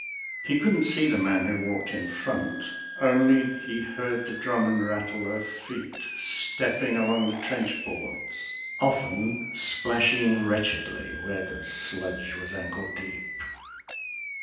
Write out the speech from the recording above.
He couldn't see the man who walked in front; Only he heard the drum and rattle of feet Stepping along the trench boards, often splashing Wretchedly where the sludge was ankle deep.